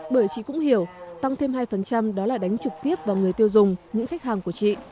bởi chị cũng hiểu tăng thêm hai đó là đánh trực tiếp vào người tiêu dùng những khách hàng của chị